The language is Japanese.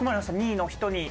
２位の人に。